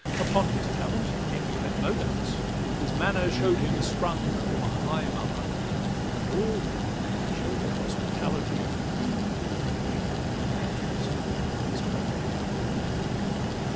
Upon his talent Henry had no doubts; His manner show'd him sprung from a high mother; And all men like to show their hospitality To him whose breeding matches with his quality.